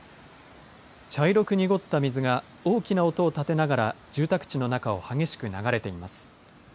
茶色く濁った水が大きな音を立てながら住宅地の中を激しく流れています。